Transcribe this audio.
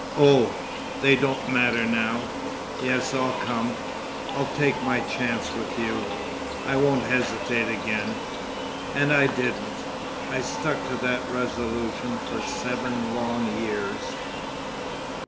"Oh! they don't matter now! Yes, I'll come, I'll take my chance with you, I won't hesitate again." And I didn't. I stuck to that resolution for seven long years.